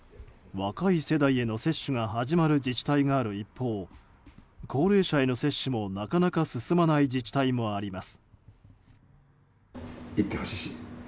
若い世代への接種が始まる自治体がある一方高齢者への接種も、なかなか進まない自治体もあります。